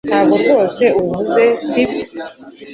Ntabwo rwose ubivuze sibyo